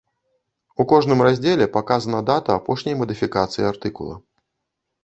У кожным раздзеле паказана дата апошняй мадыфікацыі артыкула.